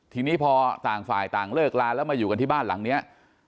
ทีนี้พอต่างฝ่ายต่างเลิกลาแล้วมาอยู่กันที่บ้านหลังนี้